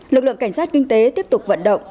lực lượng cảnh sát kinh tế tiếp tục vận động